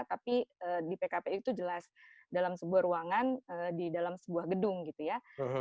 tapi di pkpu itu jelas dalam sebuah ruangan di dalam sebuah gedung gitu ya